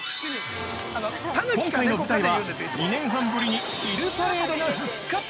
◆今回の舞台は、２年半ぶりに昼パレードが復活！